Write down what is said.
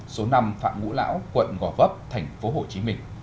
số năm phạm ngũ lão quận gò vấp tp hcm